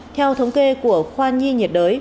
theo thống kê của khoa nhi nhiệt đới